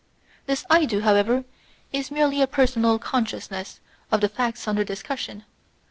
This ' I do,' however, is merely a personal con XXVI INTRODUCTION. sciousness of the facts under discussion.